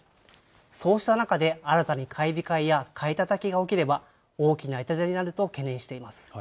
そうした中で、新たに買い控えや買いたたきが起きれば、大きな痛手になると懸念しています。